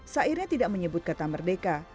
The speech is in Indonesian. sairnya tidak menyebut kata merdeka